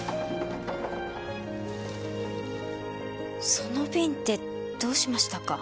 その瓶ってどうしましたか？